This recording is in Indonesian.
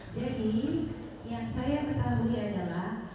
yang saya ketahui adalah